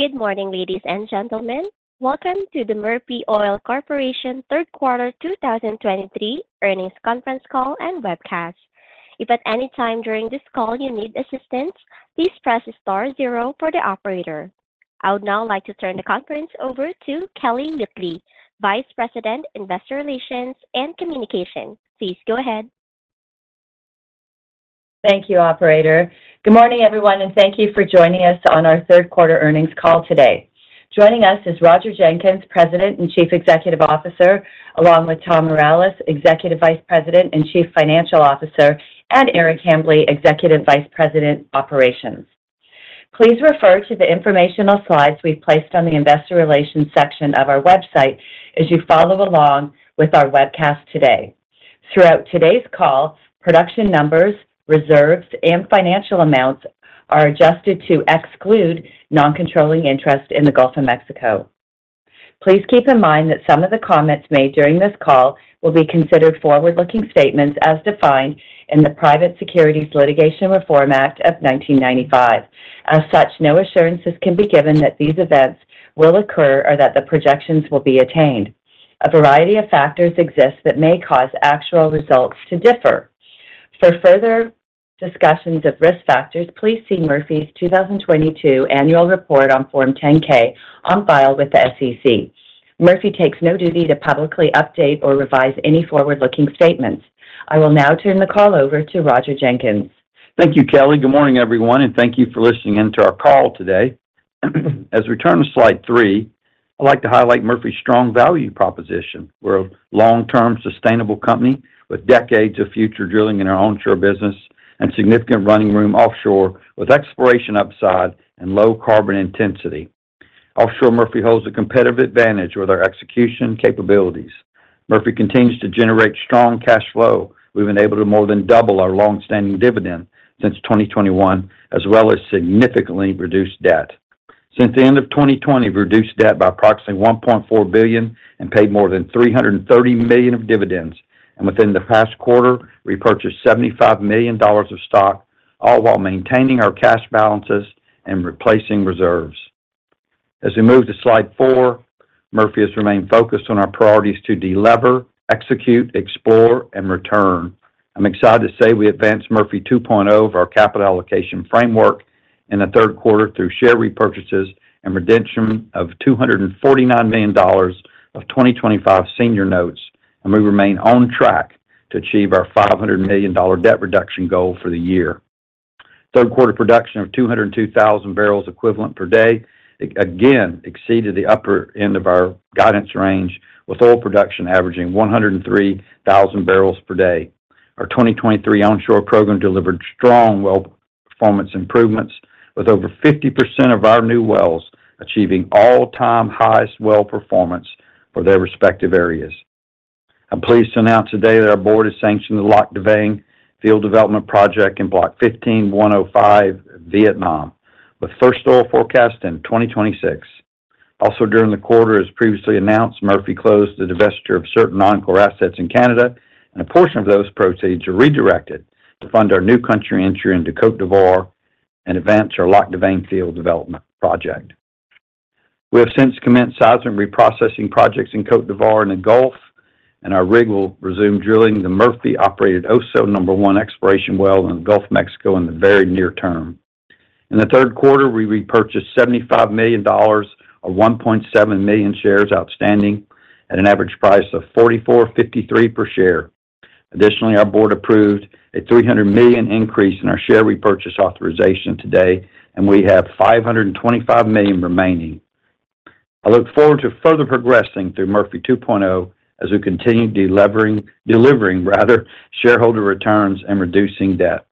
Good morning, ladies and gentlemen. Welcome to the Murphy Oil Corporation third quarter 2023 earnings conference call and webcast. If at any time during this call you need assistance, please press star zero for the operator. I would now like to turn the conference over to Kelly Whitley, Vice President, Investor Relations and Communications. Please go ahead. Thank you, operator. Good morning, everyone, and thank you for joining us on our third quarter earnings call today. Joining us is Roger Jenkins, President and Chief Executive Officer, along with Tom Mireles, Executive Vice President and Chief Financial Officer, and Eric Hambly, Executive Vice President, Operations. Please refer to the informational slides we've placed on the investor relations section of our website as you follow along with our webcast today. Throughout today's call, production numbers, reserves, and financial amounts are adjusted to exclude non-controlling interest in the Gulf of Mexico. Please keep in mind that some of the comments made during this call will be considered forward-looking statements as defined in the Private Securities Litigation Reform Act of 1995. As such, no assurances can be given that these events will occur or that the projections will be attained. A variety of factors exist that may cause actual results to differ. For further discussions of risk factors, please see Murphy's 2022 annual report on Form 10-K on file with the SEC. Murphy takes no duty to publicly update or revise any forward-looking statements. I will now turn the call over to Roger Jenkins. Thank you, Kelly. Good morning, everyone, and thank you for listening in to our call today. As we turn to slide 3, I'd like to highlight Murphy's strong value proposition. We're a long-term, sustainable company with decades of future drilling in our onshore business and significant running room offshore, with exploration upside and low carbon intensity. Offshore, Murphy holds a competitive advantage with our execution capabilities. Murphy continues to generate strong cash flow. We've been able to more than double our long-standing dividend since 2021, as well as significantly reduce debt. Since the end of 2020, we've reduced debt by approximately $1.4 billion and paid more than $330 million of dividends, and within the past quarter, repurchased $75 million of stock, all while maintaining our cash balances and replacing reserves. As we move to slide 4, Murphy has remained focused on our priorities to de-lever, execute, explore, and return. I'm excited to say we advanced Murphy 2.0 of our capital allocation framework in the third quarter through share repurchases and redemption of $249 million of 2025 senior notes, and we remain on track to achieve our $500 million debt reduction goal for the year. Third quarter production of 202,000 barrels equivalent per day, again, exceeded the upper end of our guidance range, with oil production averaging 103,000 barrels per day. Our 2023 onshore program delivered strong well performance improvements, with over 50% of our new wells achieving all-time highest well performance for their respective areas. I'm pleased to announce today that our board has sanctioned the Lac Da Vang field development project in Block 15-1/05, Vietnam, with first oil forecast in 2026. Also, during the quarter, as previously announced, Murphy closed the divestiture of certain non-core assets in Canada, and a portion of those proceeds are redirected to fund our new country entry into Côte d'Ivoire and advance our Lac Da Vang field development project. We have since commenced seismic reprocessing projects in Côte d'Ivoire and the Gulf, and our rig will resume drilling the Murphy-operated Oso #1 exploration well in the Gulf of Mexico in the very near term. In the third quarter, we repurchased $75 million of 1.7 million shares outstanding at an average price of $44.53 per share. Additionally, our board approved a $300 million increase in our share repurchase authorization today, and we have $525 million remaining. I look forward to further progressing through Murphy 2.0 as we continue delevering-- delivering rather, shareholder returns and reducing debt.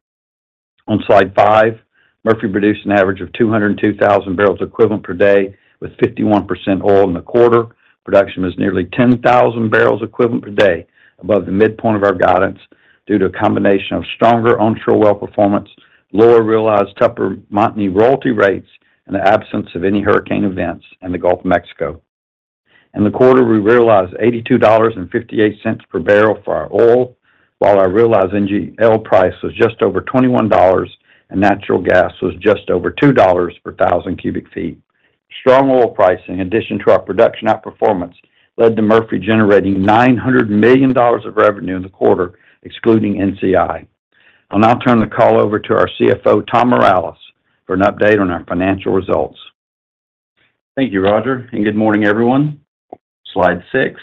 On slide five, Murphy produced an average of 202,000 barrels equivalent per day, with 51% oil in the quarter. Production was nearly 10,000 barrels equivalent per day above the midpoint of our guidance due to a combination of stronger onshore well performance, lower realized Tupper Montney royalty rates, and the absence of any hurricane events in the Gulf of Mexico. In the quarter, we realized $82.58 per barrel for our oil, while our realized NGL price was just over $21 and natural gas was just over $2 per thousand cubic feet. Strong oil pricing, in addition to our production outperformance, led to Murphy generating $900 million of revenue in the quarter, excluding NCI. I'll now turn the call over to our CFO, Tom Mireles, for an update on our financial results. Thank you, Roger, and good morning, everyone. Slide 6.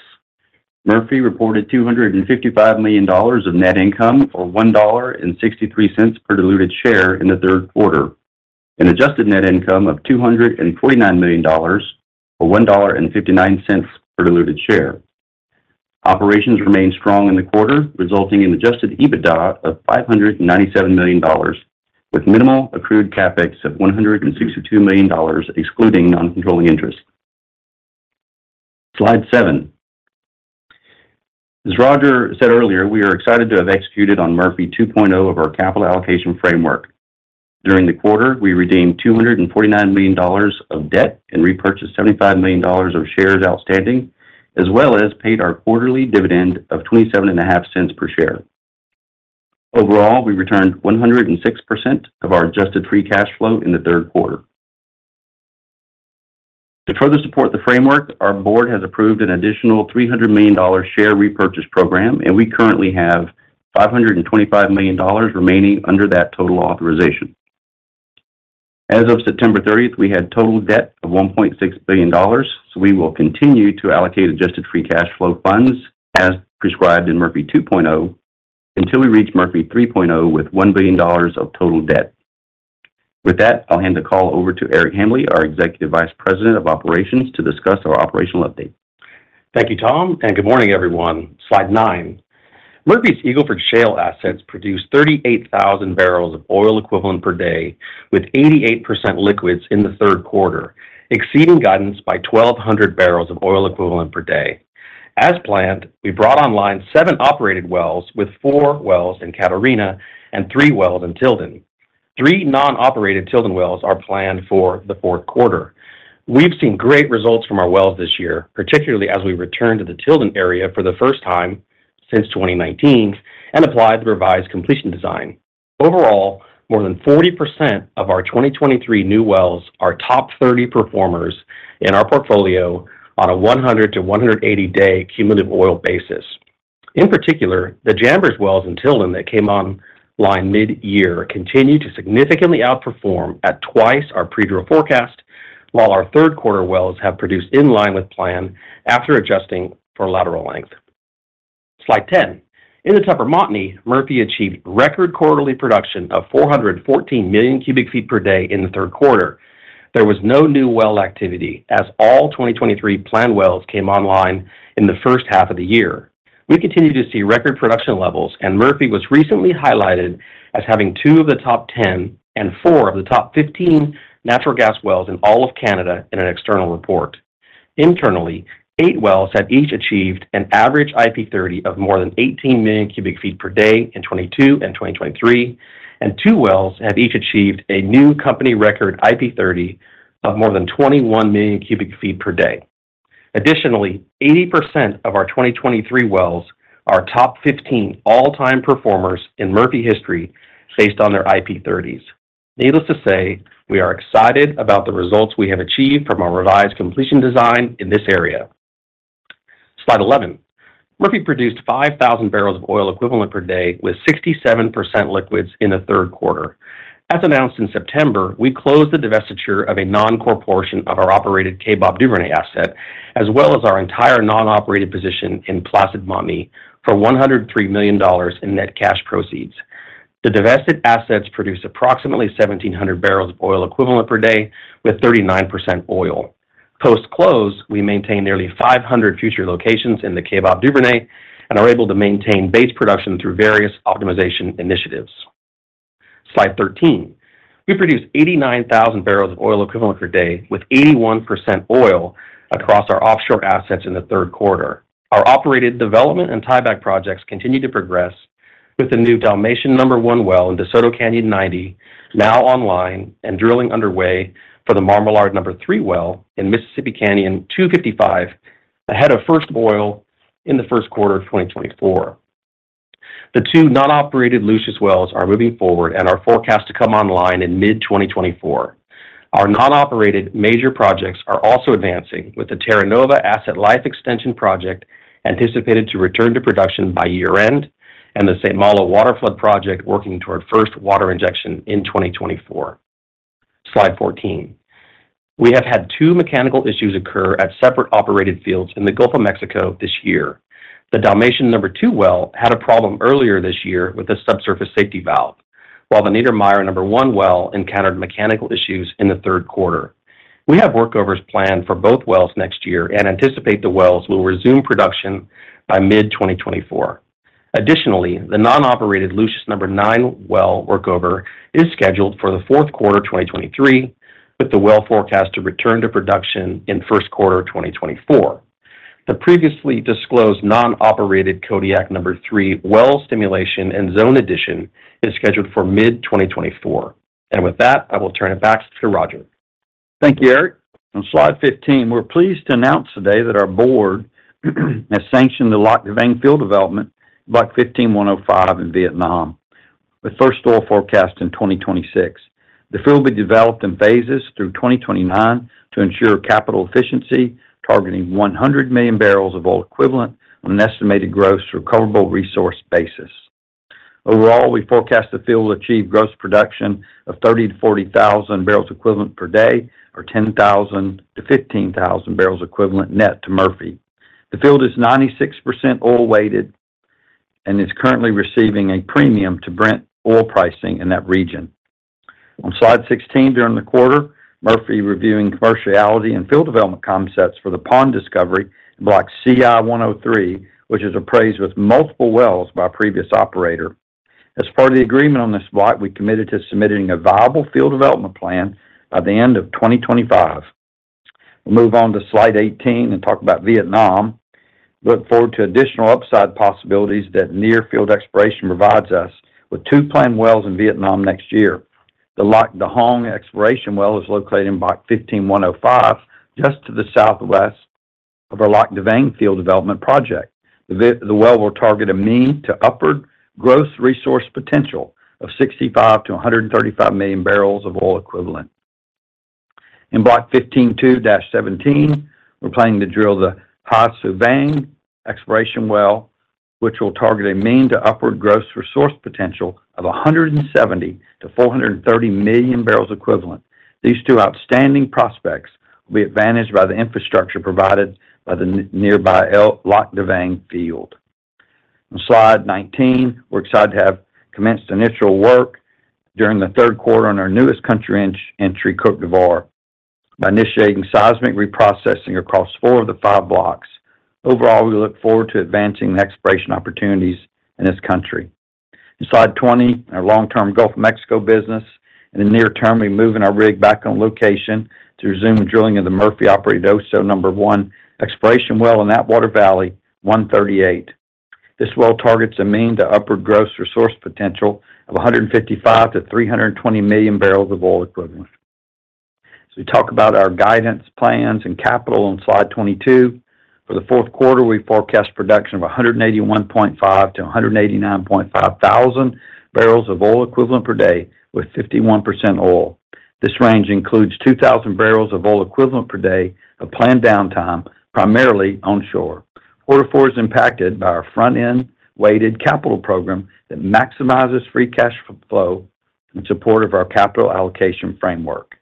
Murphy reported $255 million of net income, or $1.63 per diluted share in the third quarter, and adjusted net income of $249 million, or $1.59 per diluted share. Operations remained strong in the quarter, resulting in adjusted EBITDA of $597 million, with minimal accrued CapEx of $162 million, excluding non-controlling interest. Slide 7. As Roger said earlier, we are excited to have executed on Murphy 2.0 of our capital allocation framework. During the quarter, we redeemed $249 million of debt and repurchased $75 million of shares outstanding, as well as paid our quarterly dividend of $0.275 per share. ...Overall, we returned 106% of our adjusted free cash flow in the third quarter. To further support the framework, our board has approved an additional $300 million share repurchase program, and we currently have $525 million remaining under that total authorization. As of September thirtieth, we had total debt of $1.6 billion, so we will continue to allocate adjusted free cash flow funds as prescribed in Murphy 2.0, until we reach Murphy 3.0 with $1 billion of total debt. With that, I'll hand the call over to Eric Hambly, our Executive Vice President of Operations, to discuss our operational update. Thank you, Tom, and good morning, everyone. Slide 9. Murphy's Eagle Ford Shale assets produced 38,000 barrels of oil equivalent per day, with 88% liquids in the third quarter, exceeding guidance by 1,200 barrels of oil equivalent per day. As planned, we brought online 7 operated wells, with 4 wells in Catarina and 3 wells in Tilden. Three non-operated Tilden wells are planned for the fourth quarter. We've seen great results from our wells this year, particularly as we return to the Tilden area for the first time since 2019 and applied the revised completion design. Overall, more than 40% of our 2023 new wells are top 30 performers in our portfolio on a 100- to 180-day cumulative oil basis. In particular, the Jambers wells in Tilden that came on line mid-year, continue to significantly outperform at twice our pre-drill forecast, while our third quarter wells have produced in line with plan after adjusting for lateral length. Slide 10. In the Tupper Montney, Murphy achieved record quarterly production of 414 million cubic feet per day in the third quarter. There was no new well activity, as all 2023 planned wells came online in the first half of the year. We continue to see record production levels, and Murphy was recently highlighted as having 2 of the top 10 and 4 of the top 15 natural gas wells in all of Canada in an external report. Internally, 8 wells have each achieved an average IP30 of more than 18 million cubic feet per day in 2022 and 2023, and 2 wells have each achieved a new company record IP30 of more than 21 million cubic feet per day. Additionally, 80% of our 2023 wells are top 15 all-time performers in Murphy history based on their IP30s. Needless to say, we are excited about the results we have achieved from our revised completion design in this area. Slide 11. Murphy produced 5,000 barrels of oil equivalent per day with 67% liquids in the third quarter. As announced in September, we closed the divestiture of a non-core portion of our operated Kaybob Duvernay asset, as well as our entire non-operated position in Placid Montney for $103 million in net cash proceeds. The divested assets produce approximately 1,700 barrels of oil equivalent per day, with 39% oil. Post-close, we maintain nearly 500 future locations in the Kaybob Duvernay and are able to maintain base production through various optimization initiatives. Slide 13. We produced 89,000 barrels of oil equivalent per day with 81% oil across our offshore assets in the third quarter. Our operated development and tieback projects continue to progress with the new Dalmatian #1 well in DeSoto Canyon 90, now online and drilling underway for the Marmalard #3 well in Mississippi Canyon 255, ahead of first oil in the first quarter of 2024. The two non-operated Lucius wells are moving forward and are forecast to come online in mid-2024. Our non-operated major projects are also advancing, with the Terra Nova Asset Life Extension project anticipated to return to production by year-end and the St. Malo Waterflood project working toward first water injection in 2024. Slide 14. We have had two mechanical issues occur at separate operated fields in the Gulf of Mexico this year. The Dalmatian #2 well had a problem earlier this year with a subsurface safety valve, while the Neidermeyer #1 well encountered mechanical issues in the third quarter. We have workovers planned for both wells next year and anticipate the wells will resume production by mid-2024. Additionally, the non-operated Lucius #9 well workover is scheduled for the fourth quarter of 2023, with the well forecast to return to production in first quarter of 2024. The previously disclosed non-operated Kodiak #3 well stimulation and zone addition is scheduled for mid-2024. With that, I will turn it back to Roger. Thank you, Eric. On slide 15, we're pleased to announce today that our board has sanctioned the Lạc Đà Vàng field development, Block 15-1/05 in Vietnam, with first oil forecast in 2026. The field will be developed in phases through 2029 to ensure capital efficiency, targeting 100 million barrels of oil equivalent on an estimated gross recoverable resource basis. Overall, we forecast the field will achieve gross production of 30,000-40,000 barrels equivalent per day, or 10,000-15,000 barrels equivalent net to Murphy. The field is 96% oil weighted and is currently receiving a premium to Brent oil pricing in that region. On slide 16, during the quarter, Murphy reviewing commerciality and field development concepts for the Paon discovery in Block CI-103, which is appraised with multiple wells by a previous operator. As part of the agreement on this block, we committed to submitting a viable field development plan by the end of 2025. We'll move on to slide 18 and talk about Vietnam. Look forward to additional upside possibilities that near field exploration provides us with two planned wells in Vietnam next year. The Lac Da Hong exploration well is located in Block 15-1/05, just to the southwest of our Lạc Đà Vàng field development project. The well will target a mean to upward gross resource potential of 65-135 million barrels of oil equivalent. In Block 15-2/17, we're planning to drill the Hai Su Vang exploration well, which will target a mean to upward gross resource potential of 170-430 million barrels equivalent. These two outstanding prospects will be advantaged by the infrastructure provided by the nearby Lạc Đà Vàng field. On slide 19, we're excited to have commenced initial work during the third quarter on our newest country entry, Côte d'Ivoire, by initiating seismic reprocessing across 4 of the 5 blocks. Overall, we look forward to advancing the exploration opportunities in this country. In slide 20, our long-term Gulf of Mexico business. In the near term, we're moving our rig back on location to resume drilling of the Murphy-operated Oso number 1 exploration well in Atwater Valley 138. This well targets a mean to upward gross resource potential of 155 to 320 million barrels of oil equivalent. So we talk about our guidance, plans, and capital on slide 22. For the fourth quarter, we forecast production of 181.5-189.5 thousand barrels of oil equivalent per day, with 51% oil. This range includes 2,000 barrels of oil equivalent per day of planned downtime, primarily onshore. Quarter four is impacted by our front-end weighted capital program that maximizes free cash flow in support of our capital allocation framework.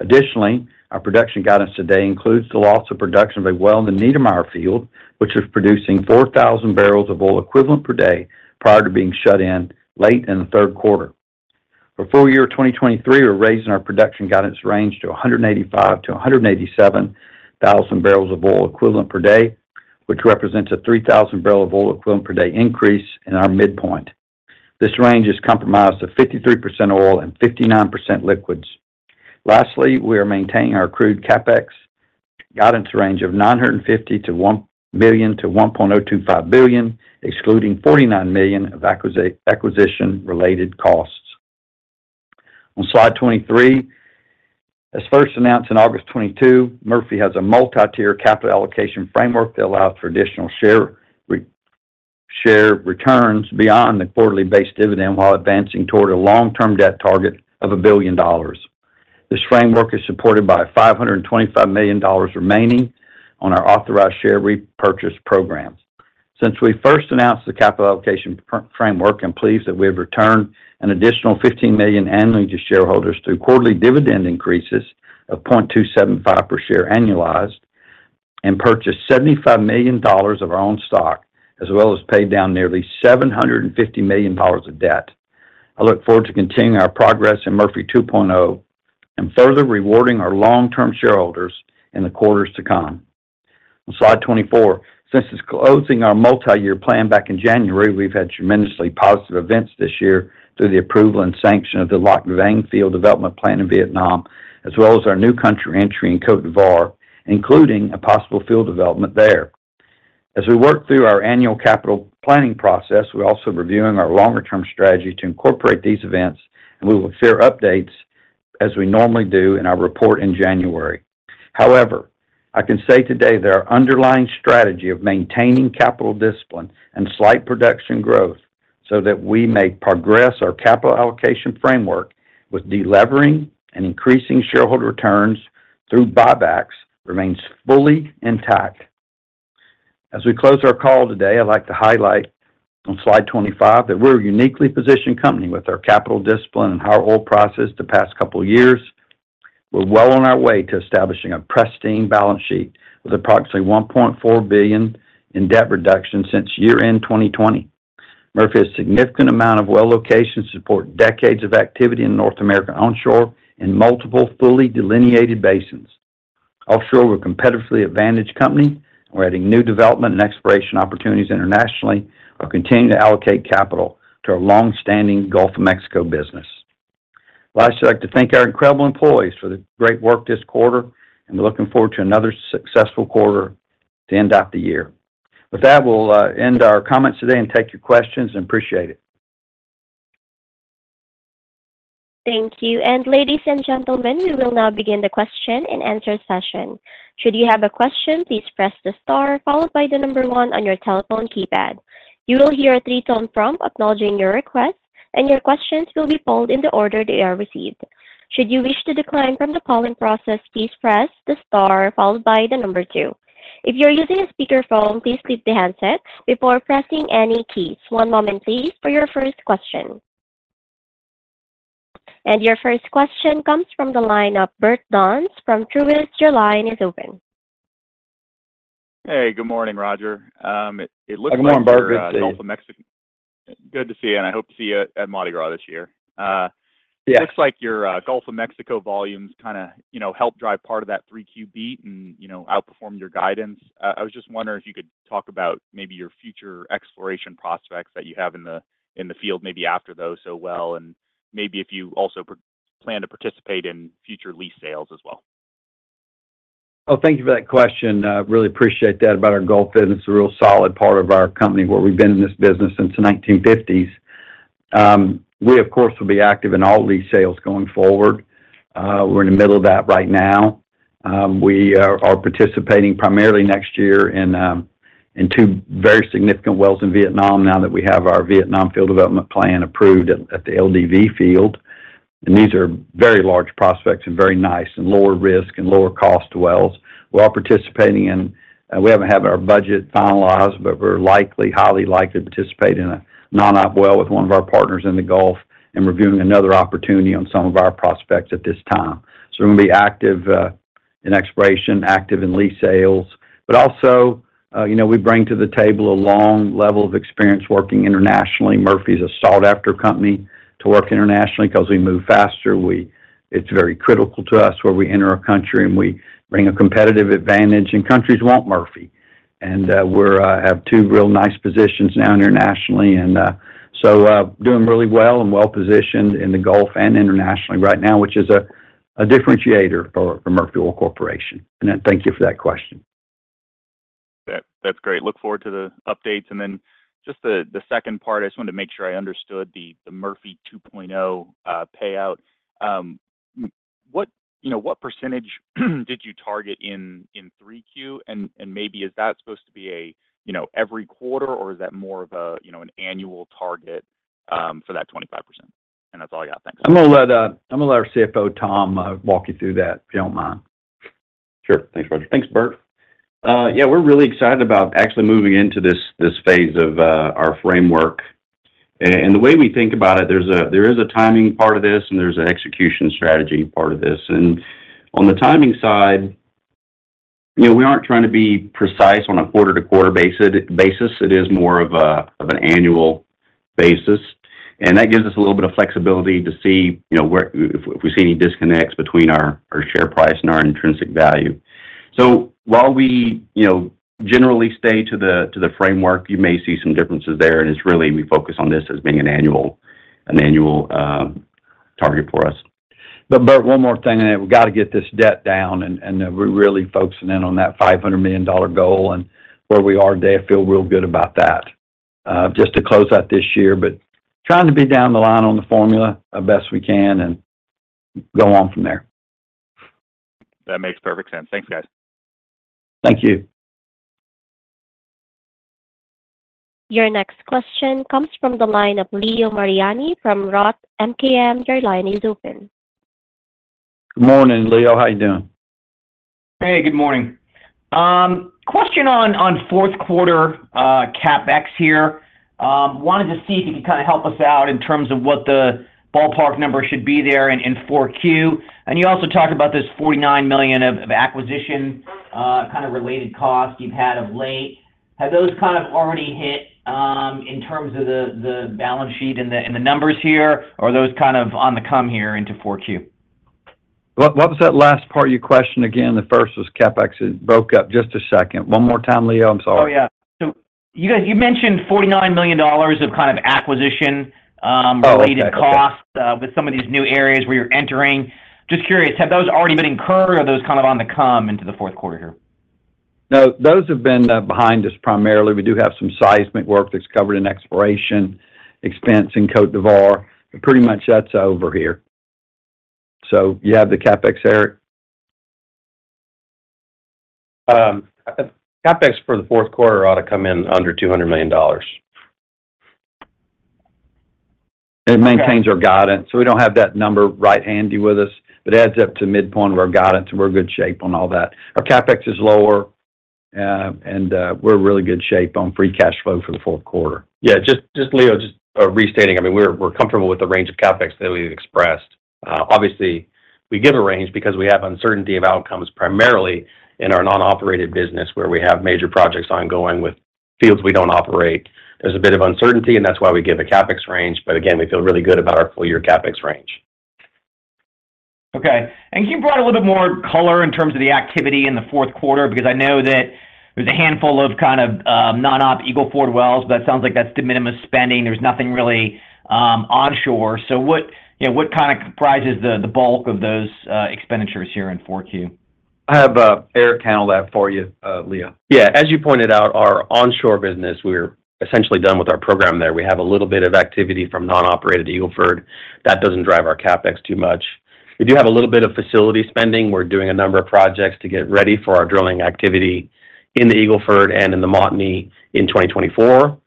Additionally, our production guidance today includes the loss of production of a well in the Neidermeyer Field, which was producing 4,000 barrels of oil equivalent per day prior to being shut in late in the third quarter. For full year 2023, we're raising our production guidance range to 185,000-187,000 barrels of oil equivalent per day, which represents a 3,000 barrels of oil equivalent per day increase in our midpoint. This range is comprised of 53% oil and 59% liquids. Lastly, we are maintaining our crude CapEx guidance range of $950 million-$1.025 billion, excluding $49 million of acquisition-related costs. On slide 23, as first announced in August 2022, Murphy has a multi-tier capital allocation framework that allows for additional share returns beyond the quarterly-based dividend, while advancing toward a long-term debt target of $1 billion. This framework is supported by $525 million remaining on our authorized share repurchase programs. Since we first announced the capital allocation framework, I'm pleased that we have returned an additional $15 million annually to shareholders through quarterly dividend increases of $0.275 per share annualized, and purchased $75 million of our own stock, as well as paid down nearly $750 million of debt. I look forward to continuing our progress in Murphy 2.0, and further rewarding our long-term shareholders in the quarters to come. On slide 24, since closing our multi-year plan back in January, we've had tremendously positive events this year through the approval and sanction of the Lạc Đà Vàng Field Development Plan in Vietnam, as well as our new country entry in Côte d'Ivoire, including a possible field development there. As we work through our annual capital planning process, we're also reviewing our longer-term strategy to incorporate these events, and we will share updates as we normally do in our report in January. However, I can say today that our underlying strategy of maintaining capital discipline and slight production growth so that we may progress our capital allocation framework with de-levering and increasing shareholder returns through buybacks, remains fully intact. As we close our call today, I'd like to highlight on slide 25 that we're a uniquely positioned company with our capital discipline and higher oil prices the past couple of years. We're well on our way to establishing a pristine balance sheet, with approximately $1.4 billion in debt reduction since year-end 2020. Murphy has a significant amount of well locations to support decades of activity in North America onshore, in multiple fully delineated basins. Offshore, we're a competitively advantaged company. We're adding new development and exploration opportunities internationally, while continuing to allocate capital to our long-standing Gulf of Mexico business. Lastly, I'd like to thank our incredible employees for the great work this quarter, and we're looking forward to another successful quarter to end out the year. With that, we'll end our comments today and take your questions. I appreciate it. Thank you. And ladies and gentlemen, we will now begin the question and answer session. Should you have a question, please press the star followed by 1 on your telephone keypad. You will hear a three-tone prompt acknowledging your request, and your questions will be pulled in the order they are received. Should you wish to decline from the polling process, please press the star followed by 2. If you're using a speakerphone, please keep the handsets before pressing any keys. One moment please, for your first question. And your first question comes from the line of Bert Jones from Truist. Your line is open. Hey, good morning, Roger. It looks like- Good morning, Bert.... Gulf of Mexico. Good to see you, and I hope to see you at Mardi Gras this year. Yeah. It looks like your Gulf of Mexico volumes kinda, you know, helped drive part of that three-Q beat and, you know, outperformed your guidance. I was just wondering if you could talk about maybe your future exploration prospects that you have in the field, maybe after those so well, and maybe if you also plan to participate in future lease sales as well. Well, thank you for that question. Really appreciate that. About our Gulf business, it's a real solid part of our company, where we've been in this business since the 1950s. We, of course, will be active in all lease sales going forward. We're in the middle of that right now. We are participating primarily next year in two very significant wells in Vietnam now that we have our Vietnam field development plan approved at the LDV field. And these are very large prospects and very nice, and lower risk, and lower cost wells. We're all participating, and we haven't had our budget finalized, but we're likely, highly likely to participate in a non-op well with one of our partners in the Gulf, and we're viewing another opportunity on some of our prospects at this time. So we're gonna be active in exploration, active in lease sales, but also, you know, we bring to the table a long level of experience working internationally. Murphy is a sought-after company to work internationally 'cause we move faster. It's very critical to us where we enter a country, and we bring a competitive advantage, and countries want Murphy. And, we're have two real nice positions now internationally, and, so, doing really well and well-positioned in the Gulf and internationally right now, which is a differentiator for Murphy Oil Corporation. And then thank you for that question. That, that's great. Look forward to the updates, and then just the second part. I just wanted to make sure I understood the Murphy 2.0 payout. What, you know, what percentage did you target in 3Q? And maybe is that supposed to be a, you know, every quarter, or is that more of a, you know, an annual target for that 25%? And that's all I got. Thanks. I'm gonna let our CFO, Tom, walk you through that, if you don't mind. Sure. Thanks, Roger. Thanks, Bert. Yeah, we're really excited about actually moving into this, this phase of our framework. And the way we think about it, there's a timing part of this, and there's an execution strategy part of this. And on the timing side, you know, we aren't trying to be precise on a quarter-to-quarter basis, basis. It is more of an annual basis, and that gives us a little bit of flexibility to see, you know, where if we see any disconnects between our share price and our intrinsic value. So while we, you know, generally stay to the framework, you may see some differences there, and it's really we focus on this as being an annual target for us. But Bert, one more thing, and we've got to get this debt down, and we're really focusing in on that $500 million goal and where we are today. I feel real good about that. Just to close out this year, but trying to be down the line on the formula as best we can and go on from there. That makes perfect sense. Thanks, guys. Thank you. Your next question comes from the line of Leo Mariani from Roth MKM. Your line is open. Good morning, Leo. How you doing? Hey, good morning. Question on fourth quarter CapEx here. Wanted to see if you could kinda help us out in terms of what the ballpark number should be there in 4Q. And you also talked about this $49 million of acquisition kind of related costs you've had of late. Have those kind of already hit in terms of the balance sheet and the numbers here, or are those kind of on the come here into 4Q? What, what was that last part of your question again? The first was CapEx. It broke up. Just a second. One more time, Leo, I'm sorry. Oh, yeah. So you guys, you mentioned $49 million of kind of acquisition, - Oh, okay. related costs with some of these new areas where you're entering. Just curious, have those already been incurred, or are those kind of on the come into the fourth quarter? No, those have been behind us primarily. We do have some seismic work that's covered in exploration expense in Côte d'Ivoire, and pretty much that's over here. So you have the CapEx, Eric? CapEx for the fourth quarter ought to come in under $200 million. It maintains our guidance, so we don't have that number right handy with us, but it adds up to midpoint of our guidance, and we're in good shape on all that. Our CapEx is lower, and we're in really good shape on free cash flow for the fourth quarter. Yeah, just Leo, restating. I mean, we're comfortable with the range of CapEx that we've expressed. Obviously, we give a range because we have uncertainty of outcomes, primarily in our non-operated business, where we have major projects ongoing with fields we don't operate. There's a bit of uncertainty, and that's why we give a CapEx range, but again, we feel really good about our full year CapEx range. Okay. And can you provide a little bit more color in terms of the activity in the fourth quarter? Because I know that there's a handful of, kind of, non-op Eagle Ford wells, but it sounds like that's de minimis spending. There's nothing really onshore. So what, you know, what kind of comprises the bulk of those expenditures here in four Q? I'll have Eric handle that for you, Leo. Yeah, as you pointed out, our onshore business, we're essentially done with our program there. We have a little bit of activity from non-operated Eagle Ford. That doesn't drive our CapEx too much. We do have a little bit of facility spending. We're doing a number of projects to get ready for our drilling activity in the Eagle Ford and in the Montney in 2024.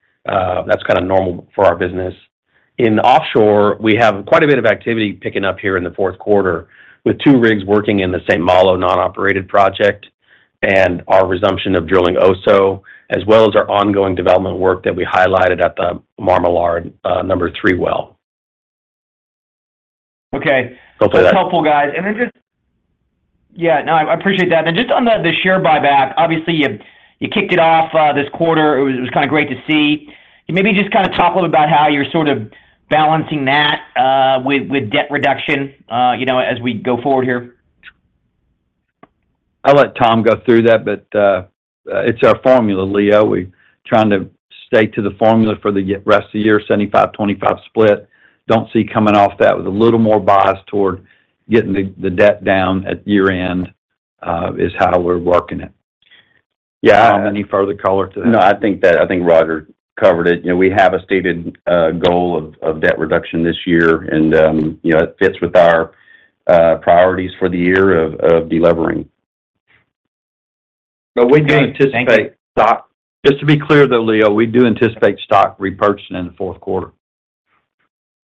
That's kind of normal for our business. In offshore, we have quite a bit of activity picking up here in the fourth quarter, with two rigs working in the St. Malo non-operated project and our resumption of drilling Oso, as well as our ongoing development work that we highlighted at the Marmalard, number three well. Okay. Hope that- That's helpful, guys. And then just... Yeah, no, I appreciate that. And just on the share buyback, obviously, you kicked it off this quarter. It was kind of great to see. Can maybe just kind of talk a little about how you're sort of balancing that with debt reduction, you know, as we go forward here? I'll let Tom go through that, but it's our formula, Leo. We're trying to stay to the formula for the rest of the year, 75, 25 split. Don't see coming off that with a little more bias toward getting the debt down at year-end, is how we're working it. Yeah. Any further color to that? No, I think Roger covered it. You know, we have a stated goal of debt reduction this year, and you know, it fits with our priorities for the year of delevering. But we do anticipate stock. Just to be clear, though, Leo, we do anticipate stock repurchasing in the fourth quarter.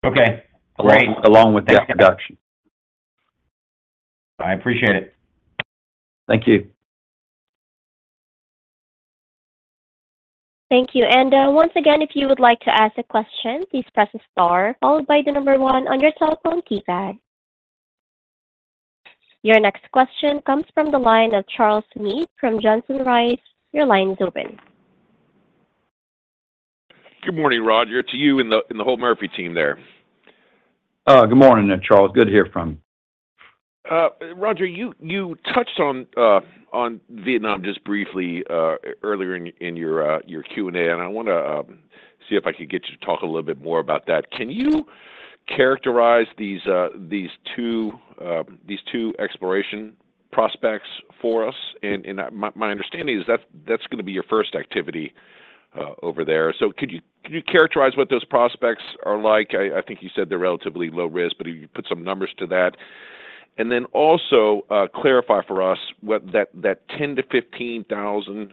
Okay, great. Along with debt reduction. I appreciate it. Thank you. Thank you. Once again, if you would like to ask a question, please press star followed by the number one on your telephone keypad. Your next question comes from the line of Charles Meade from Johnson Rice. Your line is open. Good morning, Roger, to you and the whole Murphy team there. Good morning there, Charles. Good to hear from you. Roger, you touched on Vietnam just briefly earlier in your Q&A, and I want to see if I could get you to talk a little bit more about that. Can you characterize these two exploration prospects for us? My understanding is that's gonna be your first activity over there. So could you characterize what those prospects are like? I think you said they're relatively low risk, but if you could put some numbers to that. And then also clarify for us what that 10-15 thousand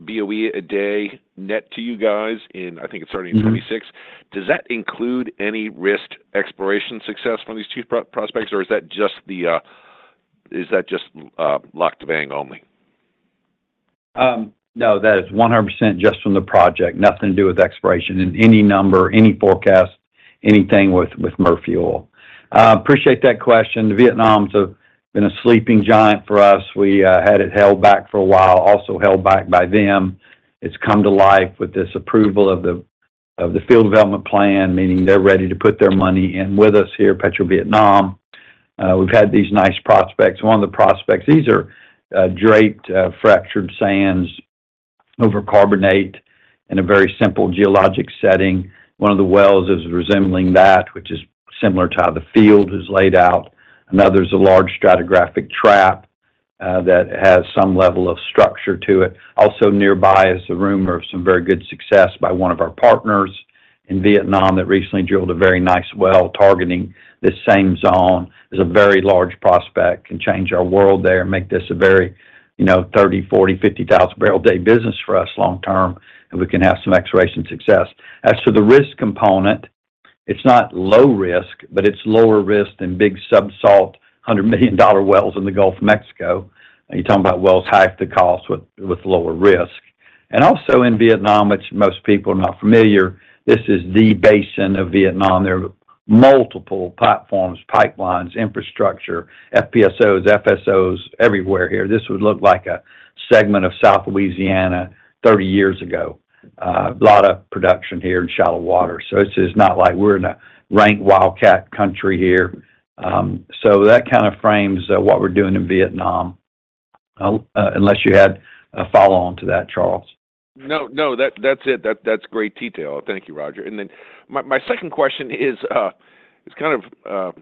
BOE a day net to you guys in, I think it's starting in 2026. Does that include any risked exploration success from these two prospects, or is that just the, is that just, Lạc Đà Vàng only? No, that is 100% just from the project, nothing to do with exploration in any number, any forecast, anything with Murphy Oil. Appreciate that question. Vietnam's been a sleeping giant for us. We had it held back for a while, also held back by them. It's come to life with this approval of the field development plan, meaning they're ready to put their money in with us here, PetroVietnam. We've had these nice prospects. One of the prospects, these are draped fractured sands over carbonate in a very simple geologic setting. One of the wells is resembling that, which is similar to how the field is laid out. Another is a large stratigraphic trap that has some level of structure to it. Also nearby is a rumor of some very good success by one of our partners in Vietnam that recently drilled a very nice well, targeting this same zone. There's a very large prospect, can change our world there and make this a very, you know, 30,000-50,000 barrel a day business for us long term, and we can have some exploration success. As for the risk component, it's not low risk, but it's lower risk than big subsalt $100 million wells in the Gulf of Mexico. You're talking about wells half the cost with, with lower risk. And also in Vietnam, which most people are not familiar, this is the basin of Vietnam. There are multiple platforms, pipelines, infrastructure, FPSOs, FSOs, everywhere here. This would look like a segment of South Louisiana 30 years ago. A lot of production here in shallow water. So it's just not like we're in a rank wildcat country here. That kind of frames what we're doing in Vietnam. Unless you had a follow-on to that, Charles. No, no, that's it. That's great detail. Thank you, Roger. And then my second question is kind of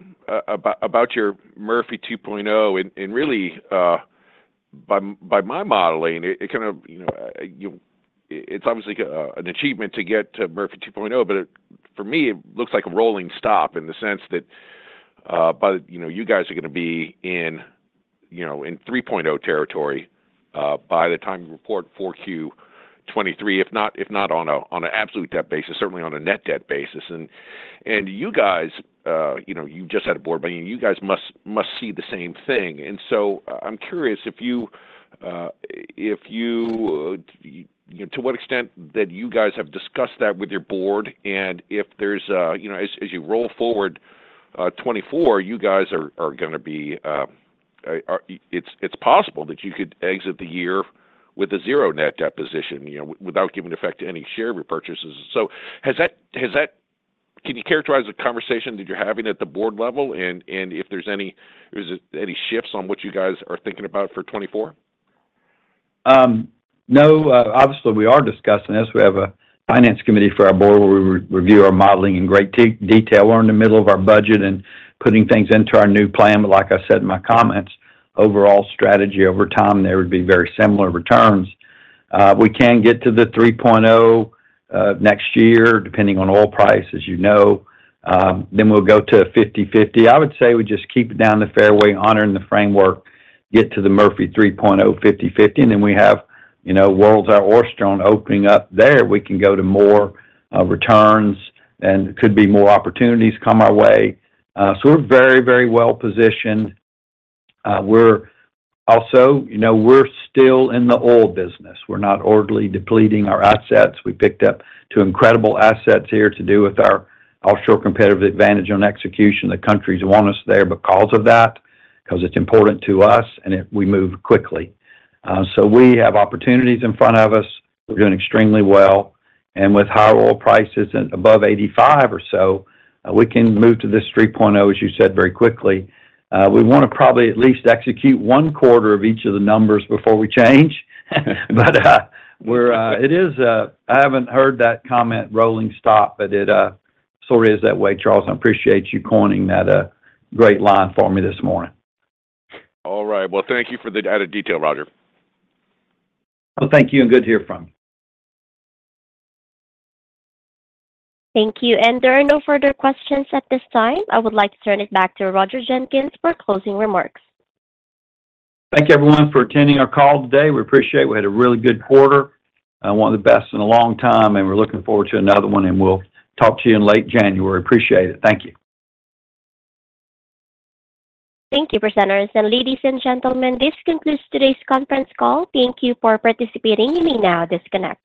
about your Murphy 2.0, and really, by my modeling, it kind of, you know, it's obviously an achievement to get to Murphy 2.0, but for me, it looks like a rolling stop in the sense that, by... You know, you guys are gonna be in, you know, in 3.0 territory, by the time you report for Q 2023, if not on an absolute debt basis, certainly on a net debt basis. And you guys, you know, you just had a board meeting, you guys must see the same thing. So I'm curious to what extent you guys have discussed that with your board, and if there's a, you know, as you roll forward, 2024, you guys are gonna be—it's possible that you could exit the year with a zero net debt position, you know, without giving effect to any share repurchases. So has that—can you characterize the conversation that you're having at the board level? And if there's any, is it any shifts on what you guys are thinking about for 2024? No, obviously, we are discussing this. We have a finance committee for our board, where we review our modeling in great detail. We're in the middle of our budget and putting things into our new plan. But like I said in my comments, overall strategy over time, there would be very similar returns. We can get to the 3.0 next year, depending on oil price, as you know. Then we'll go to 50/50. I would say we just keep it down the fairway, honoring the framework, get to the Murphy 3.0, 50/50, and then we have, you know, worlds, our oyster opening up there. We can go to more returns, and could be more opportunities come our way. So we're very, very well positioned. We're also, you know, we're still in the oil business. We're not orderly depleting our assets. We picked up two incredible assets here to do with our offshore competitive advantage on execution. The countries want us there because of that, because it's important to us, and it, we move quickly. So we have opportunities in front of us. We're doing extremely well. And with high oil prices at above $85 or so, we can move to this 3.0, as you said, very quickly. We wanna probably at least execute one quarter of each of the numbers before we change. But, it is, I haven't heard that comment, rolling stop, but it sort of is that way, Charles. I appreciate you coining that, great line for me this morning. All right. Well, thank you for the added detail, Roger. Well, thank you, and good to hear from you. Thank you. There are no further questions at this time. I would like to turn it back to Roger Jenkins for closing remarks. Thank you, everyone, for attending our call today. We appreciate it. We had a really good quarter, one of the best in a long time, and we're looking forward to another one, and we'll talk to you in late January. Appreciate it. Thank you. Thank you, presenters. Ladies and gentlemen, this concludes today's conference call. Thank you for participating. You may now disconnect.